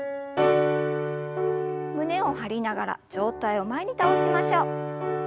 胸を張りながら上体を前に倒しましょう。